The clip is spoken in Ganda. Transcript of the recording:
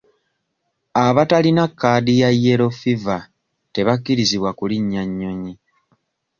Abatalina kaadi ya yellow fever tebakkirizibwa kulinnya nnyonyi.